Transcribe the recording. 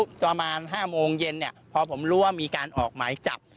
ประมาณ๕โมงเย็นเนี่ยพอผมรู้ว่ามีการออกหมายจับ